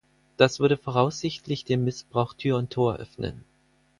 Das würde voraussichtlich dem Missbrauch Tür und Tor öffnen.